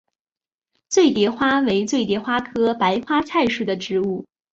醉蝶花为醉蝶花科白花菜属的植物。